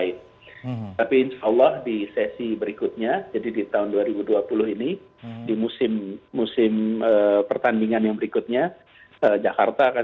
ini sebuah kehormatan